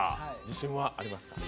自信はありますか？